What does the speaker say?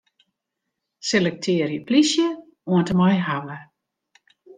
Selektearje 'plysje' oant en mei 'hawwe'.